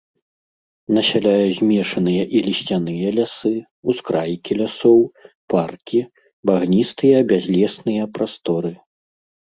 Насяляе змешаныя і лісцяныя лясы, ускрайкі лясоў, паркі, багністыя бязлесныя прасторы.